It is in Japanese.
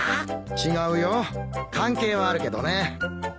違うよ関係はあるけどね。